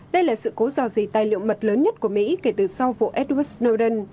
đây là sự cố dò dì tài liệu mật lớn nhất của mỹ kể từ sau vụ edward nodon